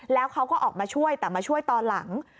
แล้วเขาก็ออกมาช่วยแต่มาช่วยตอนหลัง